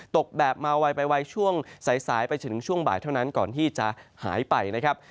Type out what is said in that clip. ตกแบบมาไวไปไวช่วงสายไปถึงช่วงบ่ายเท่านั้นก่อนที่จะหายไปนะครับ